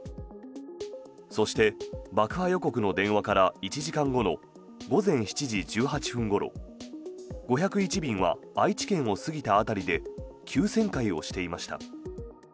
そして、爆破予告の電話から１時間後の午前７時１８分ごろ５０１便は愛知県を過ぎた辺りで急旋回をしていました。